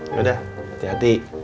yaudah hati hati